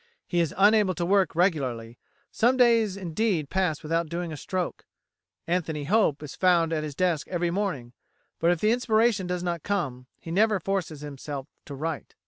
He is unable to work regularly; some days indeed pass without doing a stroke.[132:B] Anthony Hope is found at his desk every morning, but if the inspiration does not come, he never forces himself to write.